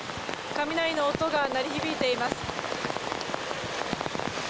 雷の音が鳴り響いています。